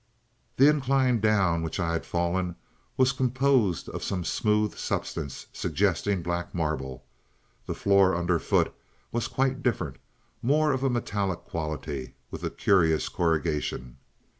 "The incline down which I had fallen was composed of some smooth substance suggesting black marble. The floor underfoot was quite different more of a metallic quality with a curious corrugation.